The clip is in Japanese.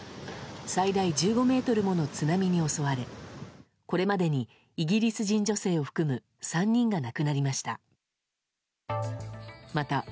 最大１５ｍもの津波に襲われこれまでにイギリス人女性を含む３人が亡くなりました。